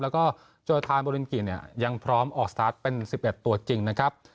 แล้วก็โจทานโบรินกิเนี่ยยังพร้อมออกสตาร์ทเป็น๑๑ตัวจริงนะครับ